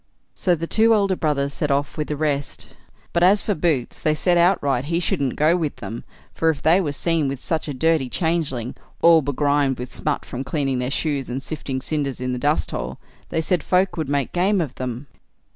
So the two elder brothers set off with the rest; but as for Boots, they said outright he shouldn't go with them, for if they were seen with such a dirty, changeling, all begrimed with smut from cleaning their shoes and sifting cinders in the dust hole, they said folk would make game of them.